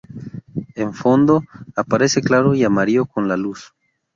En fondo, aparece claro y amarillo con la luz.